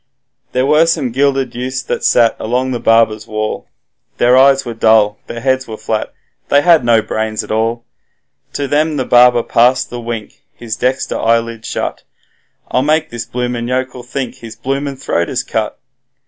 There were some gilded youths that sat along the barber's wall, Their eyes were dull, their heads were flat, they had no brains at all; To them the barber passed the wink, his dexter eyelid shut, 'I'll make this bloomin' yokel think his bloomin' throat is cut.'